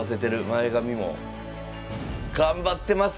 前髪も。頑張ってますやん！